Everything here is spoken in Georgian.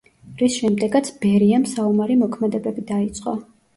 რის შემდეგაც ბერიამ საომარი მოქმედებები დაიწყო.